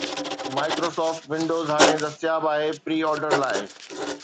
Microsoft Windows ھاڻي دستياب آھي پري آرڊر لاءِ